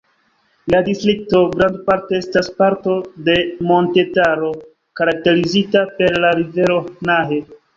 La distrikto grandparte estas parto de montetaro karakterizita per la rivero Nahe.